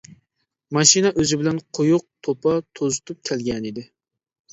ماشىنا ئۆزى بىلەن قويۇق توپا توزۇتۇپ كەلگەنىدى.